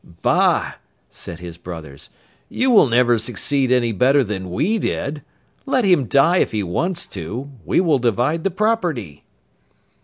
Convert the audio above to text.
'Bah,' said his brothers, 'you will never succeed any better than we did. Let him die if he wants to; we will divide the property.